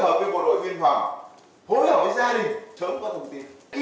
thối hợp với bộ đội nguyên phòng thối hợp với gia đình sớm có thông tin